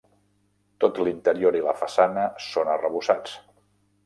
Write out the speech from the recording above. Tot l'interior i la façana són arrebossats.